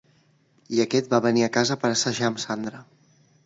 I aquest va venir a casa per assajar amb Sandra.